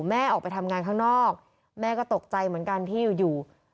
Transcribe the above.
แม่ออกไปทำงานข้างนอกแม่ก็ตกใจเหมือนกันที่อยู่